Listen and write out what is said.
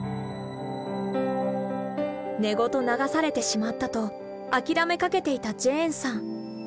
根ごと流されてしまったと諦めかけていたジェーンさん。